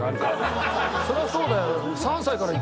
そりゃそうだよ。